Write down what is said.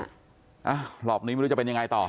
อ่ะผลอกนี้ไม่รู้จะเป็นยังไงต่อ